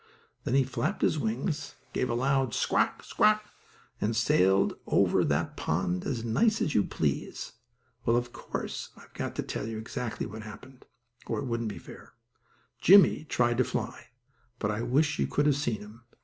Then he flapped his wings, gave a loud "squawk squawk" and sailed over that pond as nice as you please. Well, of course, I've got to tell exactly what happened, or it wouldn't be fair. Jimmie tried to fly, but I wish you could have seen him.